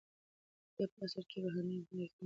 د ده په عصر کې روحاني او اخلاقي موضوعات ډېر وو.